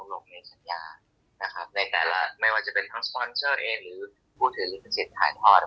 และใดใดละไม่ว่าจะเป็นทังสปอนเซอร์เองหรือผู้ถือหรือขฤสีทายภาพ